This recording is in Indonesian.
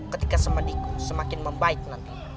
ketika semedikun semakin membaik nanti